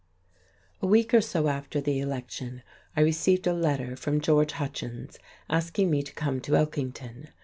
A week or so after the election I received a letter from George Hutchins asking me to come to Elkington.